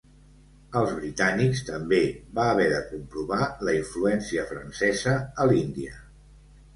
Els britànics també va haver de comprovar la influència francesa a l'Índia.